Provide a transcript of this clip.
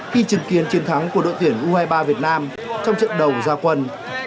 khi chứng kiến chiến thắng của đội tuyển u hai mươi ba việt nam trong trận đầu gia quân